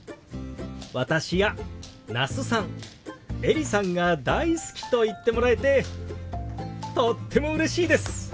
私や那須さんエリさんが大好きと言ってもらえてとってもうれしいです！